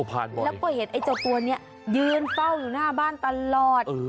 แล้วก็เห็นไอ้เจ้าตัวนี้ยืนเฝ้าอยู่หน้าบ้านตลอด